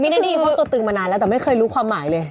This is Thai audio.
มิในธีพักตฤติวันนานแล้วแต่ไม่เคยรู้ความหมายเลย